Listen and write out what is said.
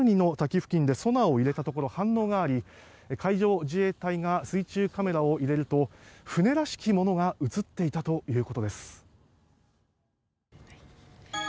関係者によりますとカシュニの滝付近でソナーを入れたところ反応があり海上保安庁が水中カメラを入れると船らしきものが映っていたということです。